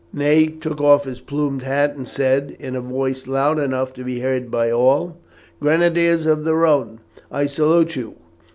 Ney took off his plumed hat and said, in a voice loud enough to be heard by all: "Grenadiers of the Rhone, I salute you.